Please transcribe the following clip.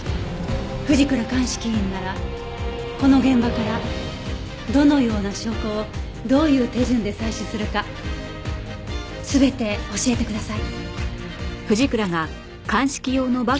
藤倉鑑識員ならこの現場からどのような証拠をどういう手順で採取するか全て教えてください。